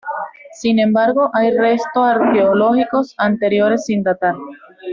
Sin embargo, hay resto arqueológicos anteriores sin datar.